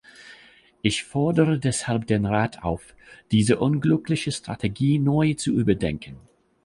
Ich fordere deshalb den Rat auf, diese unglückliche Strategie neu zu überdenken.